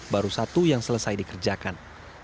baru satu yang selesai dikerjakan